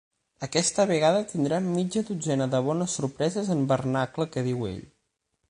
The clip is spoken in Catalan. Aquesta vegada tindrà mitja dotzena de bones sorpreses en vernacle, que diu ell.